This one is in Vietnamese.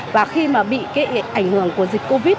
và khi mà bị cái ảnh hưởng của dịch covid